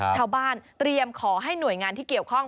ชาวบ้านเตรียมขอให้หน่วยงานที่เกี่ยวข้อง